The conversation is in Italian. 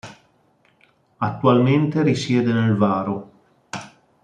Attualmente risiede nel Varo.